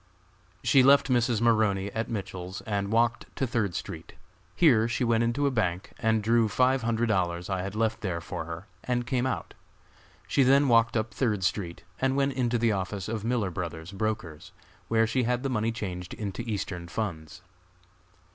She left Mrs. Maroney at Mitchell's and walked to Third street. Here she went into a bank and drew five hundred dollars I had left there for her and came out. She then walked up Third street and went into the office of Miller Bros., brokers, where she had the money changed into Eastern funds.